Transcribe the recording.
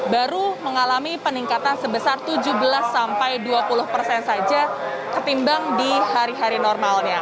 baru mengalami peningkatan sebesar tujuh belas sampai dua puluh persen saja ketimbang di hari hari normalnya